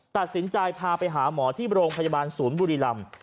ตัดสินใจพาไปหาหมอที่โรงพยาบาลศูนย์บุรีรำ